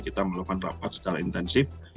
kita melakukan rapat secara intensif